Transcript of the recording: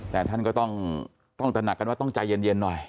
แต่ท่านก็ต้องตระหนักกันว่าต้องใจเย็นหน่อย